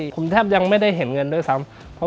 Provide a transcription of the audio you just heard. ผมแทบยังไม่ได้เห็นเงินด้วยซ้ำ